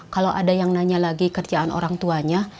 kalau ada yang nanya lagi kerjaan orang tuanya